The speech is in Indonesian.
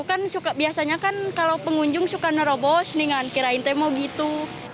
kan biasanya kan kalau pengunjung suka nerobos nih kan kirain temo gitu